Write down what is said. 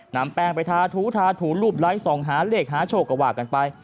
นำแป้งไปทาถูทาถูรูปไลค์ส่องหาเลขหาโชคก็ว่ากันไป